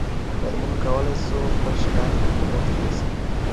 میرمنو کولای سو خپل شکایات محکمو ته یوسي.